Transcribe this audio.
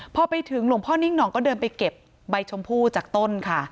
พอไปถึงหลวงพ่อนิ่งห่องก็เดินไปเก็บใบชมพู่จากต้นค่ะ